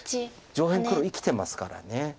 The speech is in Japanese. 上辺黒生きてますから。